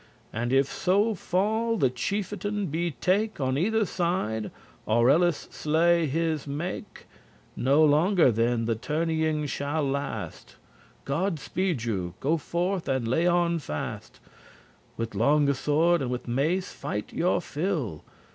And if *so fall* the chiefetain be take *should happen* On either side, or elles slay his make*, *equal, match No longer then the tourneying shall last. God speede you; go forth and lay on fast. With long sword and with mace fight your fill.